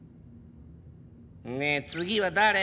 ねえ次は誰？